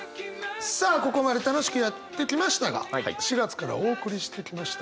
さあここまで楽しくやってきましたが４月からお送りしてきました